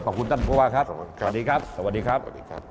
ขอบคุณท่านภูวาครับสวัสดีครับ